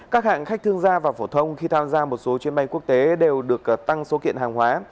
các hãng khách thương gia và phổ thông khi tham gia một số chuyến bay quốc tế đều được tăng số kiện hàng hóa